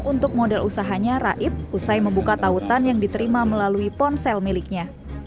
untuk modal usahanya raib usai membuka tautan yang diterima melalui ponsel miliknya